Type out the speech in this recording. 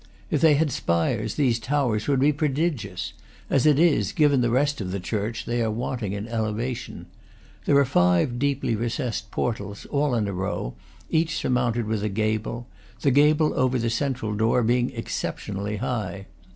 If they had spires, these towers would be prodigious; as it is, given the rest of the church, they are wanting in elevation. There are five deeply recessed portals, all in a row, each surmounted with a gable; the gable over the central door being exceptionally high.